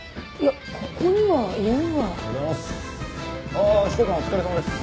ああ執行官お疲れさまです。